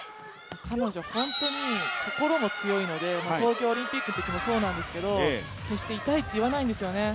彼女、本当に心も強いので東京オリンピックのときもそうなんですけど決して痛いっ言わないんですよね。